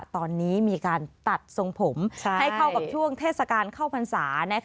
ตอนนี้มีการตัดทรงผมให้เข้ากับช่วงเทศกาลเข้าพรรษา